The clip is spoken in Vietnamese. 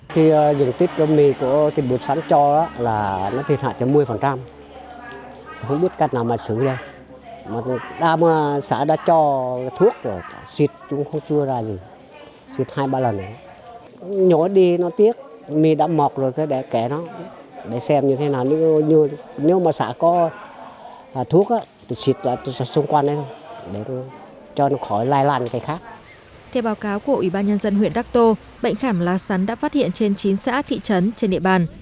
theo báo cáo của ủy ban nhân dân huyện đắc tô bệnh khảm lá sắn đã phát hiện trên chín xã thị trấn trên nệm bàn